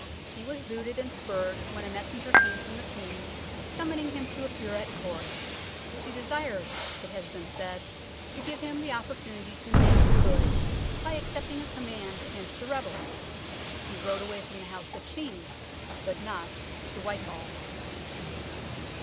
He was booted and spurred when a messenger came from the Queen summon ing him to appear at Court ; she desired, it has been said, to give him the opportunity to " make good " by accepting a command against the rebels. He rode away from his house at Sheen but not to Whitehall.